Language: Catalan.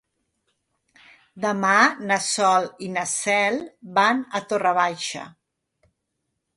Demà na Sol i na Cel van a Torre Baixa.